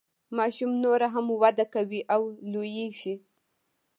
ماشوم نوره هم وده کوي او لوییږي.